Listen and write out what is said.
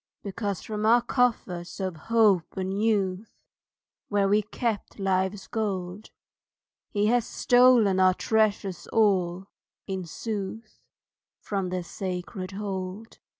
Because from our coffers of hope and youth, Where we kept life's gold, He has stolen our treasures all, in sooth, From their sacred hold.